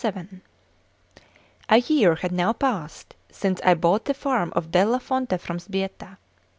CVII A YEAR had now passed since I bought the farm of Della Fonte from Sbietta.